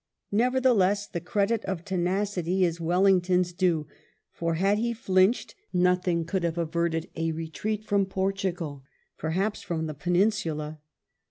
Never theless the credit of tenacity is Wellington's due, for had he flinched nothing could have averted a retreat from Portugal, perhaps from the Peninsula.